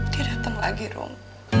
dia dateng lagi rom